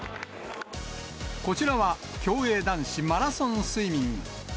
こちらは、競泳男子マラソンスイミング。